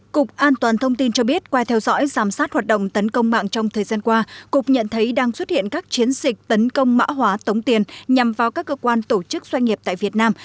cục an toàn thông tin cho biết qua theo dõi giám sát hoạt động tấn công mạng trong thời gian qua cục nhận thấy đang xuất hiện các chiến dịch tấn công mã hóa tống tiền nhằm vào các cơ quan tổ chức doanh nghiệp tại việt nam